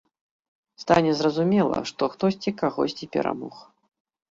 Стане зразумела, што хтосьці кагосьці перамог.